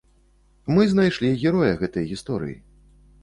Мы знайшлі героя гэтай гісторыі.